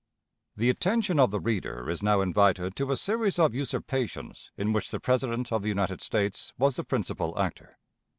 The attention of the reader is now invited to a series of usurpations in which the President of the United States was the principal actor.